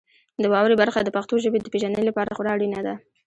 د واورئ برخه د پښتو ژبې د پیژندنې لپاره خورا اړینه ده.